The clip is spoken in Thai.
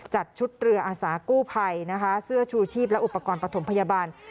จัดชุดเรืออาสากู้ภัยนะคะเสื้อชูชีพและอุปกรณ์ปฐมพยาบาล